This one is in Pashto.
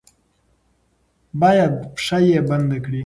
با ید پښه یې بنده کړي.